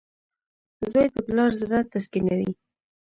• زوی د پلار زړۀ تسکینوي.